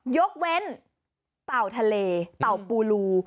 ยกเว้นเต่าทะเลเต่าปูรู